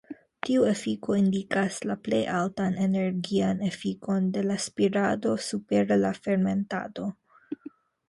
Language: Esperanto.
Tiu efiko indikas la plej altan energian efikon de la spirado super la fermentado.